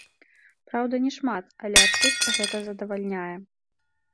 Праўда, не шмат, але артыста гэта задавальняе.